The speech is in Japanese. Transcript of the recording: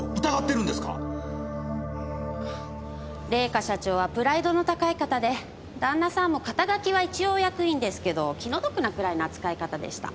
玲香社長はプライドの高い方で旦那さんも肩書は一応役員ですけど気の毒なくらいの扱い方でした。